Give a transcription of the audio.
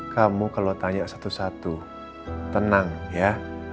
kamu kalau tanya satu satu tenang ya